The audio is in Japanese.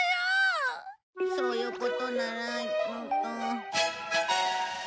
そういうことなら。